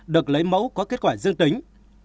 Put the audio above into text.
được lấy mẫu có kết quả dương tính